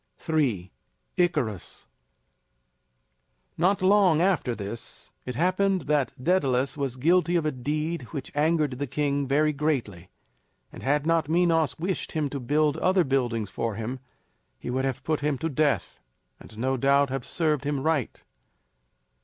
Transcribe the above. III. ICARUS. Not long after this it happened that Daedalus was guilty of a deed which angered the king very greatly; and had not Minos wished him to build other buildings for him, he would have put him to death and no doubt have served him right.